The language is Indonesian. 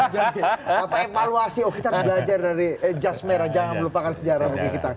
jadi evaluasi oh kita harus belajar dari jasmera jangan melupakan sejarah mungkin kita